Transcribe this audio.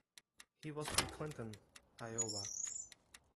He was from Clinton, Iowa.